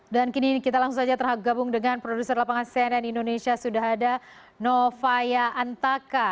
dan kini kita langsung saja tergabung dengan produser lapangan cnn indonesia sudah ada nofaya antaka